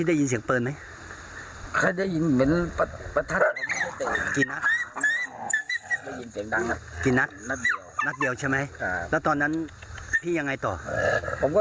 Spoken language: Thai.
แต่ว่าเลยลุกขึ้นมาดูว่าน้องจะไปนอนหรือยัง